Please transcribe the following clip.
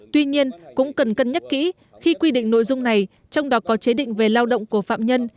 tuy nhiên cũng cần cân nhắc kỹ khi quy định nội dung này trong đó có chế định về lao động của phạm nhân